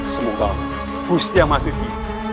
semoga gustia masiti